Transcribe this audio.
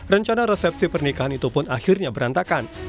rencana resepsi pernikahan itu pun akhirnya berantakan